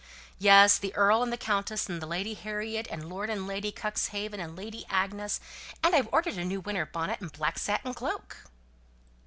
Yes! the Earl and the Countess, and Lady Harriet and Lord and Lady Cuxhaven, and Lady Agnes; and I've ordered a new winter bonnet and a black satin cloak."